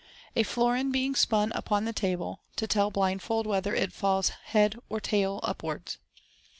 A Florin being spun upon the Table, to tell blindfold WHETHER IT FALLS HEAD OR TAIL UPWARDS.